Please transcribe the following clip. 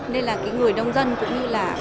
nên là cái người đông dân cũng như là